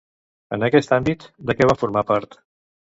En aquest àmbit, de què va formar part?